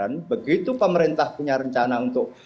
dan begitu pemerintah punya rencana untuk